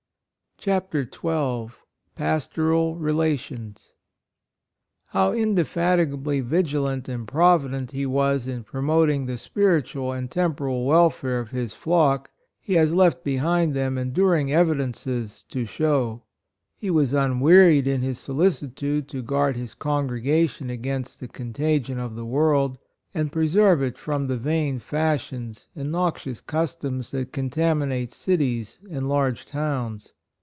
Chapter XII. 8 astcral JjelaffrritB. H^lrffiSoW indefatigablv vitf |Jy^Qi°^§ l an ^ and provident he was in promoting the spi ritual and temporal wel fare of his flock, he has left behind him enduring evidences to shew. He was unwearied in his solicitude to guard his congregation against the contagion of the world, and preserve it from the vain fash ions and noxious customs that con taminate cities and large towns.